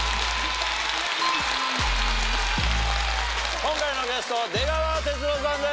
今回のゲスト出川哲朗さんです！